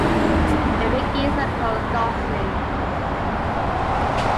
Baby geese are called goslings.